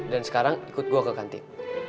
dan sekarang ikut gue ke kantin